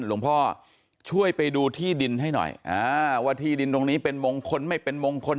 หลวงพ่อช่วยไปดูที่ดินให้หน่อยอ่าว่าที่ดินตรงนี้เป็นมงคลไม่เป็นมงคล